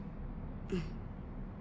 うん。